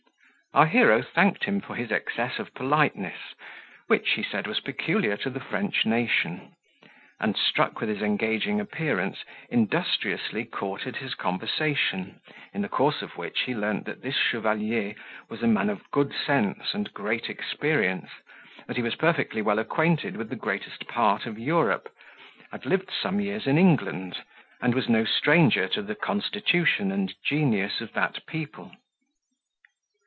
Our hero thanked him for his excess of politeness, which, he said, was peculiar to the French nation; and, struck with his engaging appearance, industriously courted his conversation, in the course of which he learned that this chevalier was a man of good sense and great experience, that he was perfectly well acquainted with the greatest part of Europe, had lived some years in England, and was no stranger to the constitution and genius of that people.